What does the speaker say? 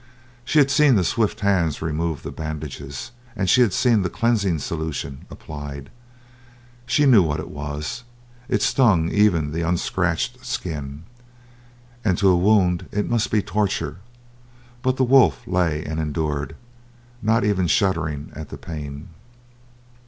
She had seen the swift hands remove the bandages and she had seen the cleansing solution applied. She knew what it was; it stung even the unscratched skin, and to a wound it must be torture, but the wolf lay and endured not even shuddering at the pain.